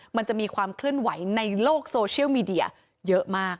มันจะมีความเคลื่อนไหวในโลกโซเชียลมีเดียเยอะมาก